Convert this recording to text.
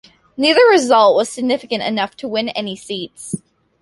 Neither result was significant enough to win any seats.